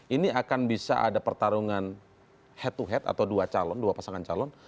ini akan bisa ada pertarungan head to head atau dua calon dua pasangan calon